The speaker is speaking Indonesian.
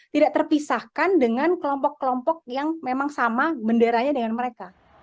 tidak terpisahkan dengan kelompok kelompok yang memang sama benderanya dengan mereka